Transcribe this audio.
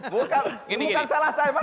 bukan salah saya